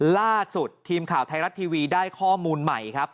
ล่าสุดทีมข่าวไทยรัฐทีวีได้ข้อมูลใหม่ครับ